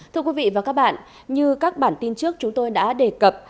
thưa quý vị và các bạn như các bản tin trước chúng tôi đã đề cập